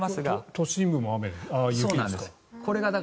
都心部も雪ですか？